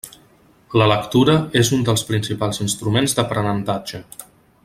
La lectura és un dels principals instruments d'aprenentatge.